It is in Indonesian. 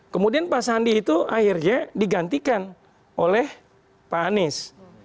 kemudian pak sandi itu akhirnya digantikan oleh pak anies